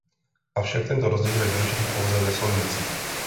Avšak tento rozdíl je důležitý pouze ve slovnících.